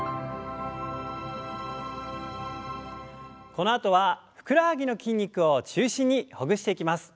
このあとはふくらはぎの筋肉を中心にほぐしていきます。